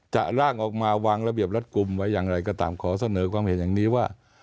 ร่างออกมาวางระเบียบรัฐกลุ่มไว้อย่างไรก็ตามขอเสนอความเห็นอย่างนี้ว่า